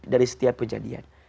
dari setiap kejadian